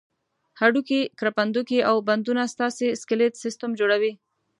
هډوکي، کرپندوکي او بندونه ستاسې سکلېټ سیستم جوړوي.